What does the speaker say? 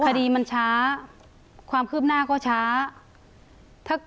คดีมันช้าความคืบหน้าก็ช้า